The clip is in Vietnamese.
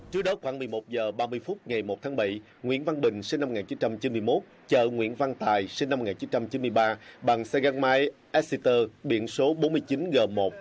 trước đó khoảng một mươi một h ba mươi phút ngày một tháng bảy nguyễn văn bình sinh năm một nghìn chín trăm chín mươi một chợ nguyễn văn tài sinh năm một nghìn chín trăm chín mươi ba bằng xe gắn máy exeter biển số bốn mươi chín g một hai mươi nghìn tám trăm chín mươi chín